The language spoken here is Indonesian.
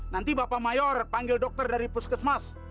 nanti bapak mayor panggil dokter dari puskesmas